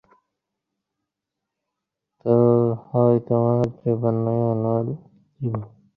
তো, হয় তোমার জীবন নয় উনার জীবন?